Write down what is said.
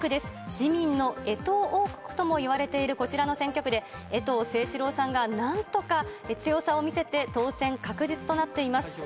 自民の衛藤王国ともいわれている、こちらの選挙区で、衛藤征士郎さんがなんとか強さを見せて、当選確実となっています。